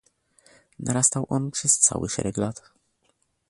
Narastał on przez cały szereg lat